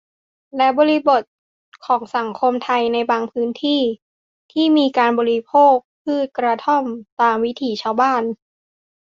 และบริบทของสังคมไทยในบางพื้นที่ ที่มีการบริโภคพืชกระท่อมตามวิถีชาวบ้าน